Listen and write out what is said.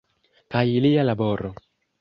Kaj lia laboro.